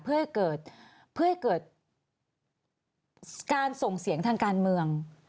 เพื่อให้เกิดการส่งเสียงทางการเมือง